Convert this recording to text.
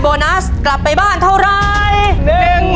๑มัน๑มัน๑มัน๑มัน